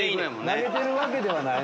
投げてるわけではないの？